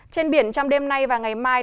trên biển trong đêm nay và ngày mai